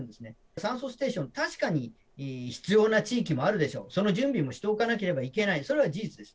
酸素ステーション、確かに必要な地域もあるでしょう、その準備もしておかなければいけない、それは事実です。